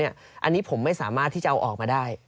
อันนี้ผมไม่สามารถที่จะเอาออกมาได้